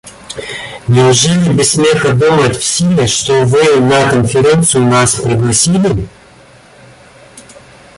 Неужели без смеха думать в силе, что вы на конференцию нас пригласили?